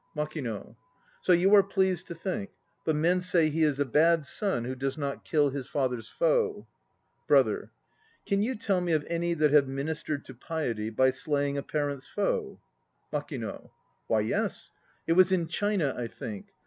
MAKINO. So you are pleased to think; but men say he is a bad son who does not kill his father's foe. BROTHER. Can you tell me of any that have ministered to piety by slaying a parent's foe? MAKINO. Why, yes. It was in China, I think.